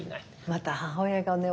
また母親がね